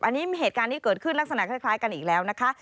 อันนี้เหตุการณ์ที่เกิดขึ้นลักษณะคล้ายกันอีกแล้วนะคะ